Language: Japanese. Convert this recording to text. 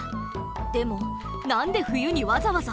でも何で冬にわざわざ？